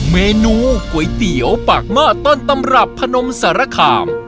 เมนูก๋วยเตี๋ยวปากหม้อต้นตำรับพนมสารคาม